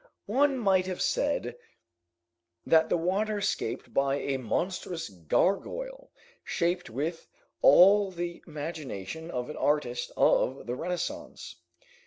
One might have said that the water escaped by a monstrous gargoyle, shaped with all the imagination of an artist of the Renaissance.